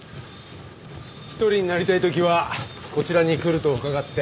一人になりたい時はこちらに来ると伺って。